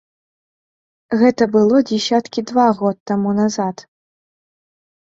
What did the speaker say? Гэта было дзесяткі два год таму назад.